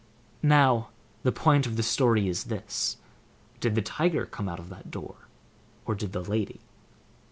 Now, the point of the story is this: Did the tiger come out of that door, or did the lady?